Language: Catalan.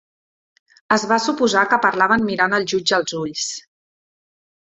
Es va suposar que parlaven mirant al jutge als ulls.